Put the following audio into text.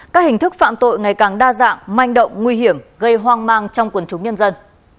các hình thức phạm tội ngày càng đa dạng manh động nguy hiểm gây hoang mang trong quần chúng nhân dân